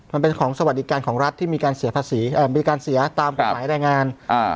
มันเป็นสถิติของสวัสดิการของรัฐที่มีการเสียภาษีตามกฎหมายแรงงาน